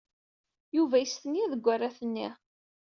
Yuba yestenya deg arrat-nni.